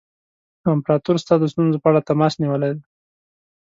امپراطور ستا د ستونزو په اړه تماس نیولی دی.